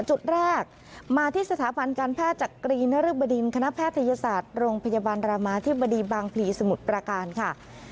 จุดแรกมาที่สถาบันการแพทย์จักรีนรึบดินคณะแพทยศาสตร์โรงพยาบาลรามาธิบดีบางพลีสมุทรประการค่ะ